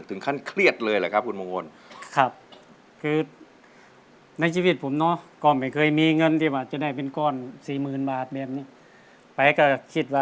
ถึงขั้นเครียดเลยพี่มงคล